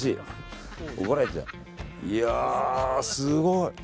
いや、すごい。